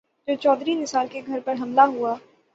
جب چوہدری نثار کے گھر پر حملہ ہوا۔